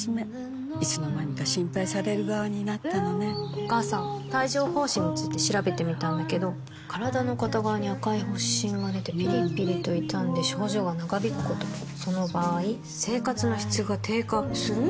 お母さん帯状疱疹について調べてみたんだけど身体の片側に赤い発疹がでてピリピリと痛んで症状が長引くこともその場合生活の質が低下する？